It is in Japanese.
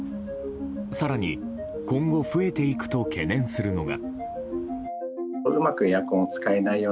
更に、今後増えていくと懸念するのが。